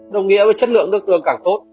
đồng nghĩa với chất lượng nước tương càng tốt